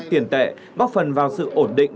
tiền tệ góp phần vào sự ổn định